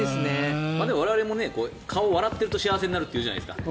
我々も顔、笑ってると幸せになるっていうじゃないですか。